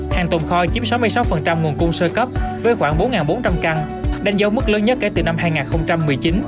hàng tồn kho chiếm sáu mươi sáu nguồn cung sơ cấp với khoảng bốn bốn trăm linh căn đánh dấu mức lớn nhất kể từ năm hai nghìn một mươi chín